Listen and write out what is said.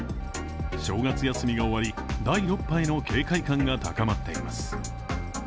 正月休みが終わり、第６波への警戒感が高まっています。